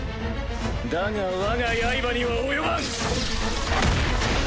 だがわが刃には及ばん！